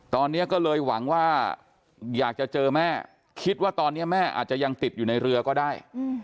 ตอนนี้ก็เลยหวังว่าอยากจะเจอแม่คิดว่าตอนนี้แม่อาจจะยังติดอยู่ในเรือก็ได้